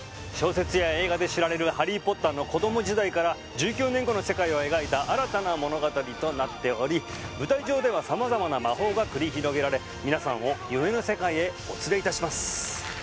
小説や映画で知られるハリー・ポッターの子供時代から１９年後の世界を描いた新たな物語となっており舞台上では様々な魔法が繰り広げられみなさんを夢の世界へお連れいたします